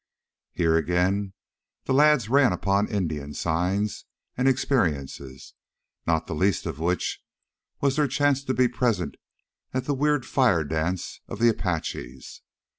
Here, again, the lads ran upon Indian "signs" and experiences, not the least of which was their chance to be present at the weird fire dance of the Apaches.